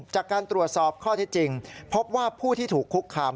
จากการตรวจสอบข้อที่จริงพบว่าผู้ที่ถูกคุกคาม